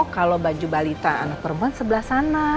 kalau baju balita anak perempuan sebelah sana